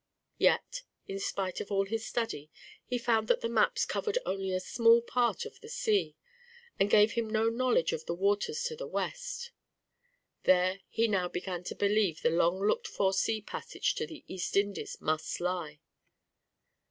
Yet, in spite of all his study, he found that the maps covered only a small part of the sea, and gave him no knowledge of the waters to the west. There he now began to believe the long looked for sea passage to the East Indies must lie.